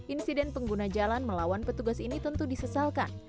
insiden pengguna jalan melawan petugas ini tentu disesalkan